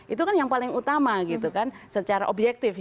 itu kan yang paling utama gitu kan secara objektif